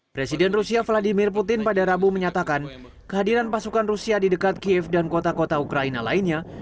presiden rusia vladimir putin pada rabu menyatakan kehadiran pasukan rusia di dekat kiev dan kota kota ukraina lainnya